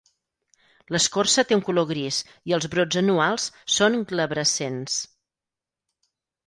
L'escorça té un color gris i els brots anuals són glabrescents.